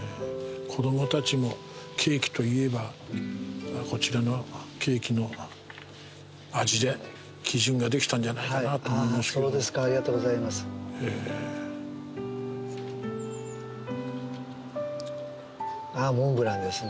子供たちもケーキといえばこちらのケーキの味で基準ができたんじゃないかなとそうですかありがとうございますあっモンブランですね？